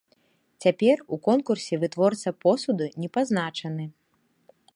Цяпер у конкурсе вытворца посуду не пазначаны.